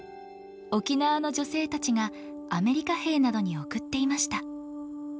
沖縄の女性たちがアメリカ兵などに送っていました。